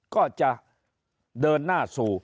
ก็จะเดินหน้าสู่